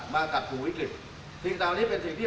มากับภูติวิทยุทธีหน้านี้เป็นสิ่งที่